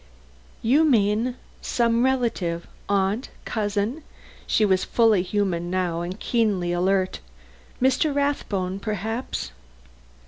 "You mean some relative aunt cousin " She was fully human now, and very keenly alert. "Mr. Rathbone, perhaps?"